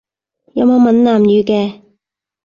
有冇閩南語嘅？